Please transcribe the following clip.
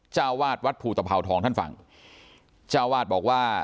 เจ้าวาดวัดภูตภาวทองท่านฟังเจ้าวาดบอกว่า